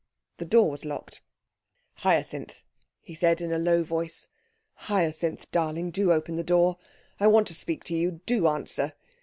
The door was locked. 'Hyacinth,' he said in a low voice, 'Hyacinth, darling, do open the door.... I want to speak to you. Do answer.